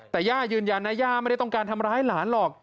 แต่ย่ายืนยันนะย่าไม่ได้ต้องการทำร้ายหลานหรอก